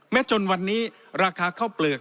จนวันนี้ราคาข้าวเปลือก